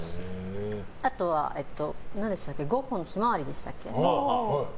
あとはゴッホの「ひまわり」でしたっけ